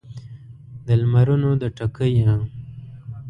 د لمرونو د ټکېو